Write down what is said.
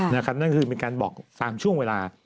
นั่นคือเป็นการบอกตามช่วงเวลา